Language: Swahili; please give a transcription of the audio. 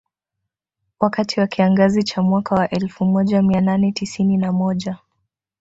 Wakati wa kiangazi cha mwaka wa elfu moja mia nane tisini na moja